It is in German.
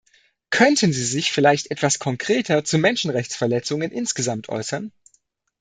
Könnten Sie sich vielleicht etwas konkreter zu Menschenrechtsverletzungen insgesamt äußern?